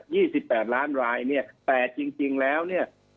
ี่สิบแปดล้านรายเนี่ยแต่จริงจริงแล้วเนี่ย